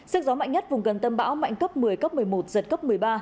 sức gió mạnh nhất vùng gần tâm bão mạnh cấp một mươi cấp một mươi một giật cấp một mươi ba